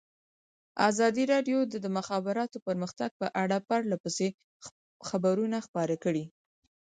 ازادي راډیو د د مخابراتو پرمختګ په اړه پرله پسې خبرونه خپاره کړي.